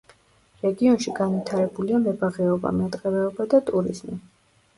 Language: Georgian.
რეგიონში განვითარებულია მებაღეობა, მეტყევეობა და ტურიზმი.